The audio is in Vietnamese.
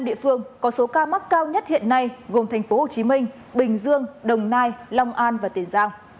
năm địa phương có số ca mắc cao nhất hiện nay gồm thành phố hồ chí minh bình dương đồng nai long an và tiền giang